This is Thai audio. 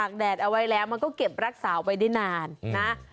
แดดเอาไว้แล้วมันก็เก็บรักษาไว้ได้นานนะ